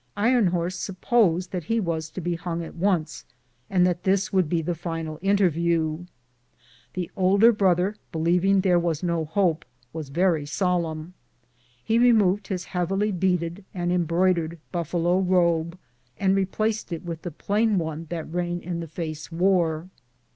Iron Horse supposed that he was to be hung at once, and that this would be the final CAPTURE AND ESCAPE OF RAlN IN TnE FACE. 309 interview. The elder brother, believing there was no liope, was very solemn. He removed his heavily beaded and embroidered buffalo robe, and replaced it with the plain one that Rain in the face wore.